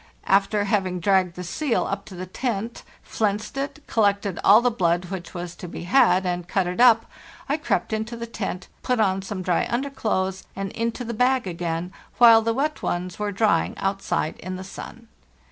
After having dragged the seal up to the tent, 'flensed' it, collected all the blood which was to be had, and cut it up, I crept into the tent, put on some dry underclothes, and into the bag again, while the wet ones were drying outside in the sun.